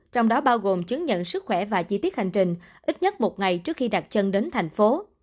trong đó bao gồm chứng nhận sức khỏe và chi tiết hành trình ít nhất một ngày trước khi đặt chân đến thành phố